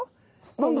何だ？